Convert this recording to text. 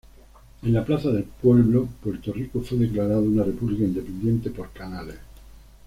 En la plaza del pueblo, Puerto Rico fue declarado una república independiente por Canales.